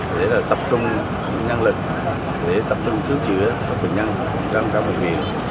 để tập trung năng lực để tập trung cứu chữa các bệnh nhân trong trang bệnh viện